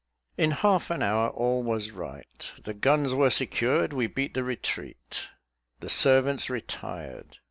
In half an hour, all was right; "the guns were secured we beat the retreat;" the servants retired.